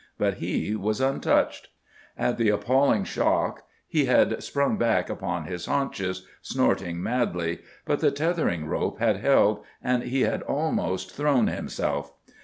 But he was untouched. At the appalling shock he had sprung back upon his haunches, snorting madly; but the tethering rope had held, and he had almost thrown himself.